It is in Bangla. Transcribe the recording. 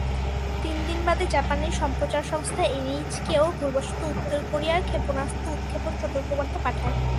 তিন দিন বাদে, জাপানের সম্প্রচার সংস্থা এনএইচকে-ও ভুলবশত উত্তর কোরিয়ার ক্ষেপণাস্ত্র উৎক্ষেপণ সতর্কবার্তা পাঠায়।